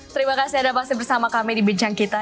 terima kasih anda masih bersama kami di bincang kita